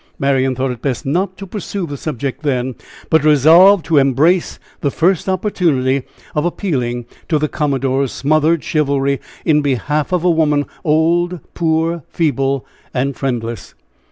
Marian thought it best not to pursue the subject then, but resolved to embrace the first opportunity of appealing to the commodore's smothered chivalry in behalf of a woman, old, poor, feeble, and friendless.